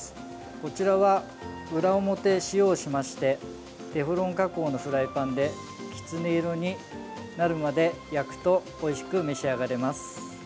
こちらは裏表、塩をしましてテフロン加工のフライパンでキツネ色になるまで焼くとおいしく召し上がれます。